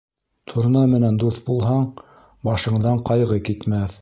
Торна менән дуҫ булһаң, башыңдан ҡайғы китмәҫ.